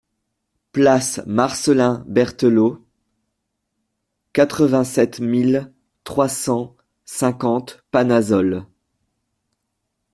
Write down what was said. Place Marcelin Berthelot, quatre-vingt-sept mille trois cent cinquante Panazol